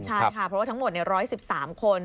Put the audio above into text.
ใช่ค่ะเพราะว่าทั้งหมด๑๑๓คน